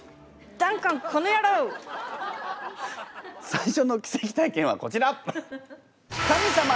最初の奇跡体験はこちら！